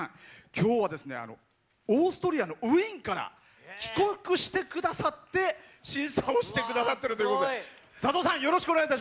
きょうはオーストリアのウィーンから帰国してくださって審査をしてくださってるということで。